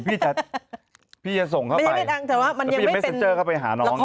พี่จะค่นตามส่งเข้าไป